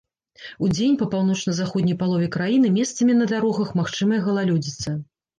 Удзень па паўночна-заходняй палове краіны месцамі на дарогах магчымая галалёдзіца.